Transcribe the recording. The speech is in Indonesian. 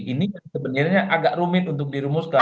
ini kan sebenarnya agak rumit untuk dirumuskan